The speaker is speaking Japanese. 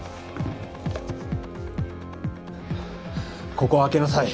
ここを開けなさい。